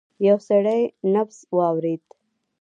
يو سړی نبض واورېد.